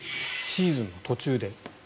シーズンの途中で。